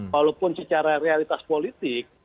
walaupun secara realitas politik